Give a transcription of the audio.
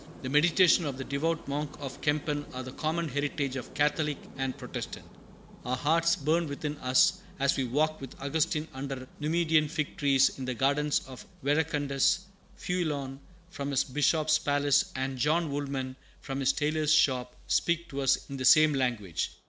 The meditations of the devout monk of Kempen are the common heritage of Catholic and Protestant; our hearts burn within us as we walk with Augustine under Numidian fig trees in the gardens of Verecundus; Feuelon from his bishop's palace and John Woolman from his tailor's shop speak to us in the same language.